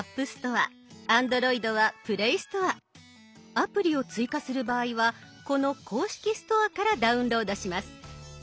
アプリを追加する場合はこの公式ストアからダウンロードします。